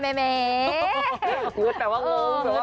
พูดแปลว่างง